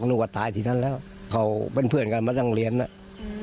หนูว่าตายที่นั่นแล้วเขาเป็นเพื่อนกันมาตั้งเรียนน่ะ